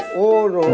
aduh aduh aduh